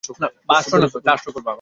বুঝতে পেরেছো তুমি?